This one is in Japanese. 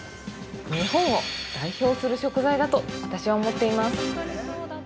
日本を代表する食材だと私は思っています。